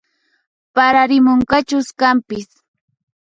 Pararimunqachus kanpis